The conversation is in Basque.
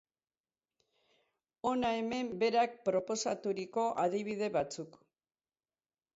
Hona hemen berak proposaturiko adibide batzuk.